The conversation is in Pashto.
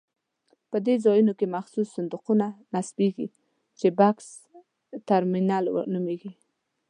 په دې ځایونو کې مخصوص صندوقونه نصبېږي چې بکس ترمینل نومېږي.